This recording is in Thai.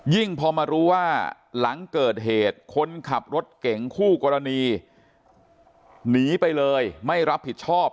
พอมารู้ว่าหลังเกิดเหตุคนขับรถเก่งคู่กรณีหนีไปเลยไม่รับผิดชอบ